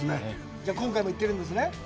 じゃあ、今回も行ってるんですね？